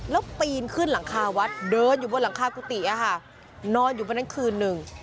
แล้วปีนขึ้นหลังคาวัดเดินอยู่บนหลังคากุฏินอนอยู่บนนั้นคืนหนึ่ง